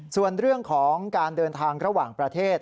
ส่วนเรื่องของการเดินทางระหว่างประเทศ